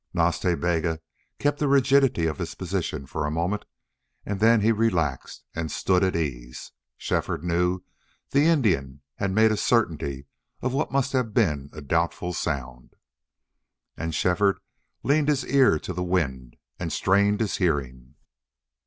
Nas Ta Bega kept the rigidity of his position for a moment, and then he relaxed, and stood at ease. Shefford knew the Indian had made a certainty of what must have been a doubtful sound. And Shefford leaned his ear to the wind and strained his hearing.